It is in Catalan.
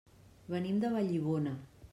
Venim de Vallibona.